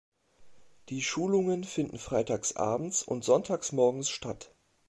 Die Schulungen finden freitagabends und sonntagmorgens statt.